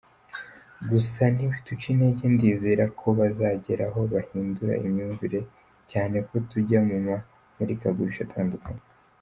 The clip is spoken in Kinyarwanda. Gusa ntibiduca intege, ndizera ko bazageraho bahindura imyumvire cyane ko tujya mu mamurikagurisha atandukanye”.